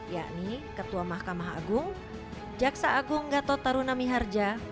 yakni ketua mahkamah agung jaksa agung gatot tarunami harja